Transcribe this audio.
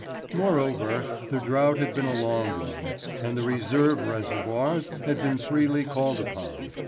Moreover, the drought had been a long one, and the reserve reservoirs had been freely called upon.